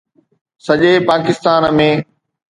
سڄي پاڪستان ۾